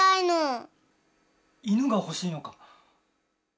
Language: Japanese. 犬が欲しいのか。